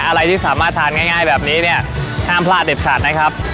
อะไรที่สามารถทานง่ายแบบนี้เนี่ยห้ามพลาดเด็ดขาดนะครับ